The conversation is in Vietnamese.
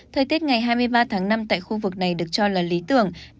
thời tiết ngày hai mươi ba tháng năm tại khu vực này được cho là lý tưởng